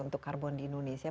untuk karbon di indonesia